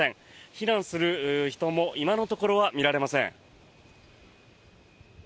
避難する人も今のところは見られません。